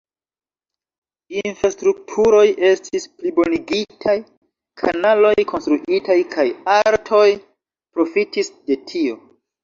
Infrastrukturoj estis plibonigitaj, kanaloj konstruitaj kaj artoj profitis de tio.